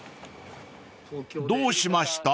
［どうしました？］